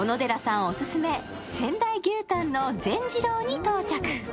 オススメ仙台牛タンの善治郎に到着。